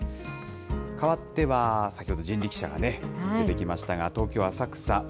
かわっては、先ほど人力車が出てきましたが、東京・浅草。